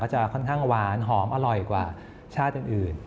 จะค่อนข้างหวานหอมอร่อยกว่าชาติอื่น